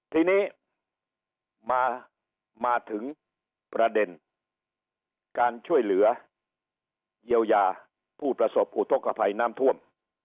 ทีนี้มาถึงประเด็นการช่วยเหลือเยียวยาผู้ประสบอุทธกภัยน้ำท่วม